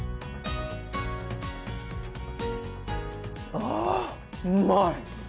ああうまい！